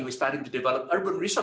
kita mulai mengembangkan urban resort